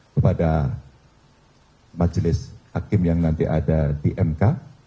kepada majelis hakim yang nanti ada di mk